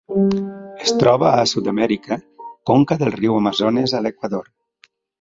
Es troba a Sud-amèrica: conca del riu Amazones a l'Equador.